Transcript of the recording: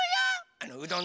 あのうどん。